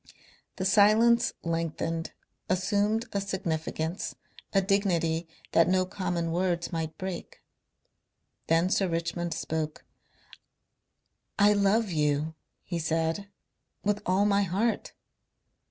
The silence lengthened, assumed a significance, a dignity that no common words might break. Then Sir Richmond spoke. "I love, you," he said, "with all my heart."